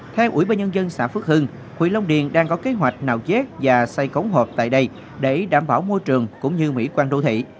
theo ủy ban nhân dân xã phước hưng huyện long điền đang có kế hoạch nào chét và xây cống họp tại đây để đảm bảo môi trường cũng như mỹ quan đô thị